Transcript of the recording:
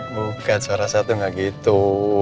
bukan suara satu nggak gitu